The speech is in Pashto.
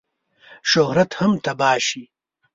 شهرت هم تباه شي.